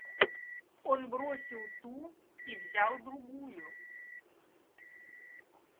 Он бросил ту и взял другую.